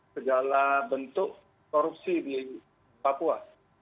segala bentuk korupsi di papua